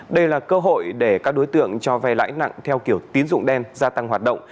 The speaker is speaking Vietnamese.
đây là cơ hội để các đối tượng cho vay lãi nặng theo kiểu tín dụng đen gia tăng hoạt động